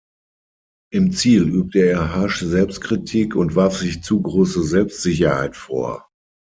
Im Ziel übte er harsche Selbstkritik und warf sich zu große Selbstsicherheit vor.